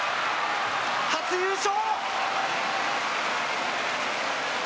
初優勝！